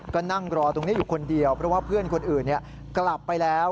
ก็นั่งรอตรงนี้อยู่คนเดียวเพราะว่าเพื่อนคนอื่นกลับไปแล้ว